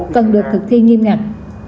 cần được thực thi nghiêm ngặt